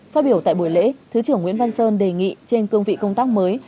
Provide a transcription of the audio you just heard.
phát biểu tại buổi lễ thứ trưởng nguyễn văn sơn đề nghị trên cương vị công tác mới